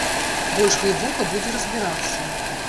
Больш глыбока будзе разбірацца.